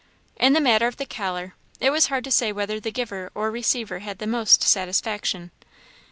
In the matter of the collar, it was hard to say whether the giver or receiver had the most satisfaction.